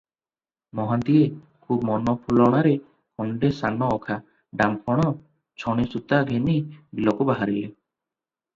ମହାନ୍ତିଏ ଖୁବ୍ ମନଫୁଲଣାରେ ଖଣ୍ଡେ ସାନ ଅଖା, ଡାମ୍ଫଣ ଛଣିସୂତା ଘେନି ବିଲକୁ ବାହାରିଲେ ।